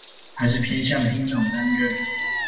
還是偏向廳長擔任